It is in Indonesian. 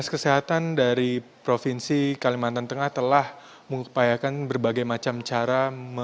dinas kesehatan dari provinsi kalimantan tengah telah mengupayakan berbagai macam cara